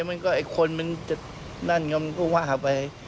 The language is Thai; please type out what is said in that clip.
มันก็คนมันนั่นก็ว่าไป